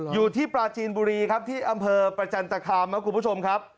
อยู่ที่ปลาจีนบุรีครับที่อำเภอประจันตคามครับคุณผู้ชมครับ